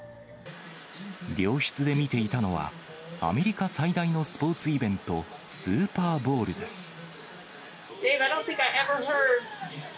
病室で見ていたのは、アメリカ最大のスポーツイベント、スーパーボウルです。